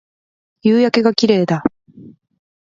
夕焼けが綺麗だ